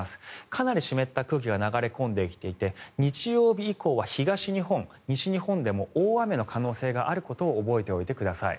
かなり湿った空気が流れ込んできていて日曜日以降は東日本、西日本でも大雨の可能性があることを覚えておいてください。